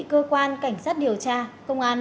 cơ quan cảnh sát điều tra công an